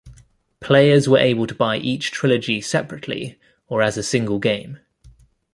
Players were able to buy each trilogy separately or as a single game.